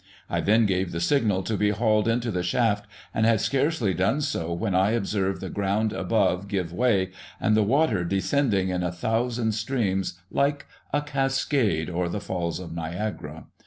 I then gave the signal to be hauled into the shaft, and had scarcely done so when I observed the ground above give way, and the water descending in a thousand streams, like a cascade, or the Falls of Niagara.